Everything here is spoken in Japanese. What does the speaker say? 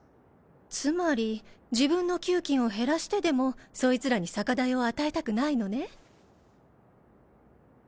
つまり自分の給金を減らしてでもそいつらに酒代を与えたくないのね？